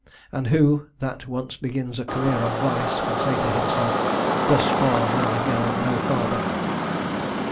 And who, that once begins a career of vice, can say to himself, "Thus far will I go, and no farther?"